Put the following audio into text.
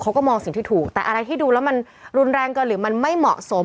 เขาก็มองสิ่งที่ถูกแต่อะไรที่ดูแล้วมันรุนแรงเกินหรือมันไม่เหมาะสม